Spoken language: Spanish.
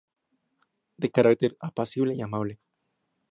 De carácter apacible y amable.